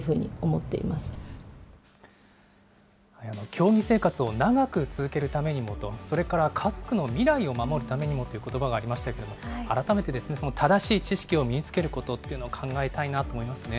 競技生活を長く続けるためにもとそれから家族の未来を守るためにもということばがありましたが改めて正しい知識を身につけることというのを考えたいと思います。